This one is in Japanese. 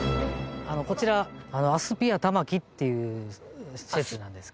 こちらアスピア玉城っていう施設なんですけど。